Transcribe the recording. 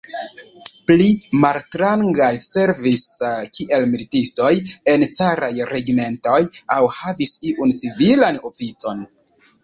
Pli malaltrangaj servis kiel militistoj en caraj regimentoj aŭ havis iun civilan oficon.